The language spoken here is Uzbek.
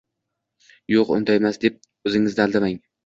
Yo`q, undaymas deb o`zingizni aldamang